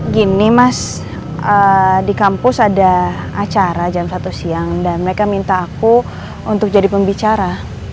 gini mas di kampus ada acara jam satu siang dan mereka minta aku untuk jadi pembicara